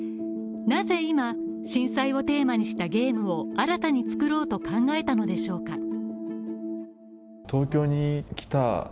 なぜ今、震災をテーマにしたゲームを新たに作ろうと考えたのでしょうか。